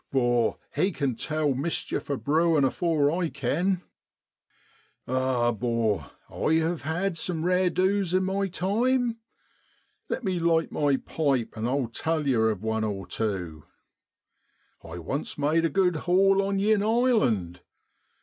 'Bor, he can tell mischief a brewin' afore I can. ( Ah, 'bor, I hev had some rare du's in my time. Let me light my pipe, and I tell yer of one or tew. I once made a good haul on yin island.